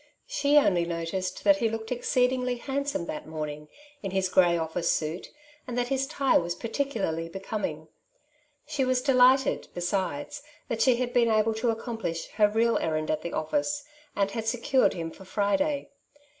She only noticed that he looked exceedingly handsome that morning, in his grey office suit, and that his tie was par ticularly becoming. She was delighted, besides, that she had been able to accomplish her real errand at the office, and had secured him for Friday.